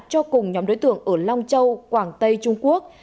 cho cùng nhóm đối tượng ở long châu quảng tây trung quốc